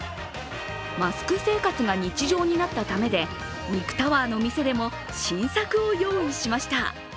マスク生活が日常になったためで肉タワーの店でも新作を用意しました。